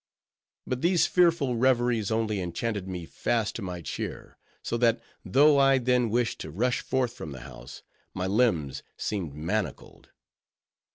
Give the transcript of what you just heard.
But these fearful reveries only enchanted me fast to my chair; so that, though I then wished to rush forth from the house, my limbs seemed manacled.